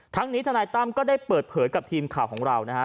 นี้ทนายตั้มก็ได้เปิดเผยกับทีมข่าวของเรานะฮะ